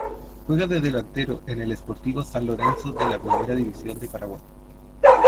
Juega de delantero en el Sportivo San Lorenzo de la Primera División de Paraguay.